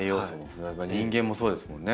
人間もそうですもんね。